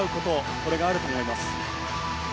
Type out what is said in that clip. これがあると思います。